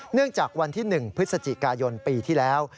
จากวันที่๑พฤศจิกายนปีที่แล้ว